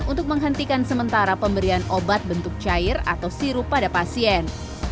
untuk menghentikan sementara pemberian obat bentuk cair atau sirup pada pasien